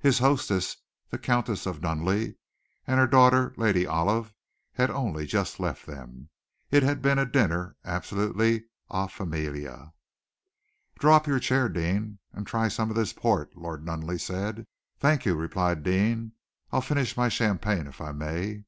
His hostess, the Countess of Nunneley, and her daughter, Lady Olive, had only just left them. It had been a dinner absolutely en famille. "Draw up your chair, Deane, and try some of this port," Lord Nunneley said. "Thank you," replied Deane, "I'll finish my champagne, if I may."